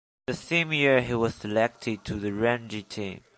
The same year he was selected to the Ranji team.